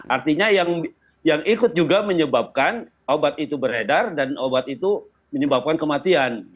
artinya yang ikut juga menyebabkan obat itu beredar dan obat itu menyebabkan kematian